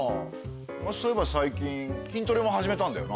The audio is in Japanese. そういえば最近筋トレも始めたんだよな？